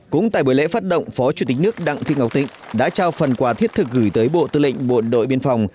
cũng tại buổi lễ phát động phó chủ tịch nước đặng thị ngọc thịnh đã trao phần quà thiết thực gửi tới bộ tư lệnh bộ đội biên phòng